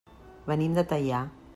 Venim de Teià.